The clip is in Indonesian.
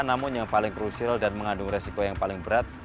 namun yang paling krusial dan mengandung resiko yang paling berat